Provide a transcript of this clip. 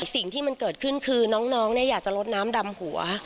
สิ่งที่มันเกิดขึ้นคือน้องอยากจะลดน้ำดำหัว